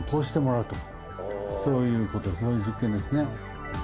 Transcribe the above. そういう実験ですね。